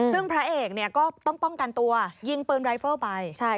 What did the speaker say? ซึ่งพระเอกเนี่ยก็ต้องป้องกันตัวยิงปืนรายเฟิลไป